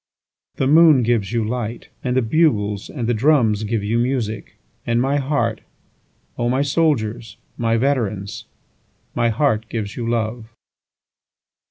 9The moon gives you light, And the bugles and the drums give you music; And my heart, O my soldiers, my veterans, My heart gives you love.